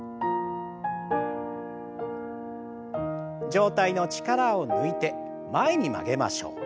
上体の力を抜いて前に曲げましょう。